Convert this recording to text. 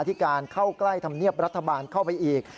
ที่การเข้าใกล้ธรรมเนียบรัฐบาลเข้าไปอีก